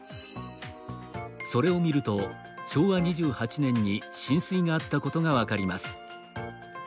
それを見ると、昭和２８年に浸水があったことが分かります。